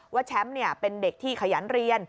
แชมป์เป็นเด็กที่ขยันเรียน